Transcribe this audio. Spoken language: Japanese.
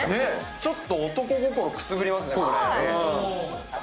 ちょっと男心くすぐりますね、これ。